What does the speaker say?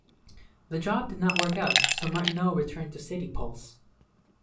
The job did not work out, so Martineau returned to City"Pulse".